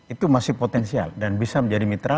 itu masih potensial dan bisa menjadi mitra